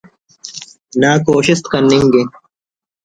نا کوشست کننگ ءِ